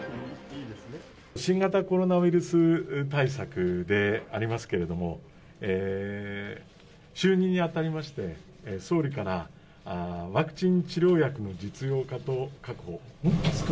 新型コロナウイルス対策でありますけれども、就任にあたりまして、総理からワクチン治療薬の実用化と確保。